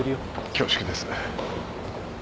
恐縮です。